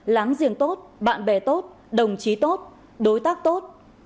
láng giềng tốt bạn bè tốt đồng chí tốt đối tác tốt